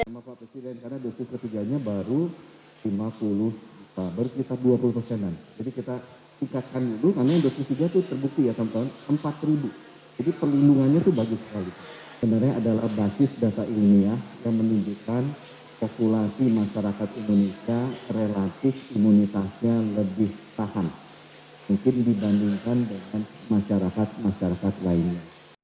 masyarakat indonesia relatif imunitasnya lebih tahan mungkin dibandingkan dengan masyarakat masyarakat lainnya